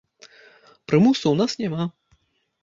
Прымусу ў нас няма.